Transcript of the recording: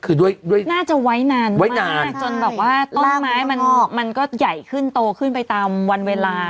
คือด้วยน่าจะไว้นานไว้นานจนแบบว่าต้นไม้มันมันก็ใหญ่ขึ้นโตขึ้นไปตามวันเวลา